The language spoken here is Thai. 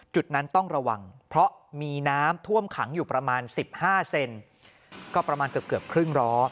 จุดนั้นต้องระวังเพราะมีน้ำท่วมขังอยู่ประมาณ๑๕เซนก็ประมาณเกือบครึ่งล้อ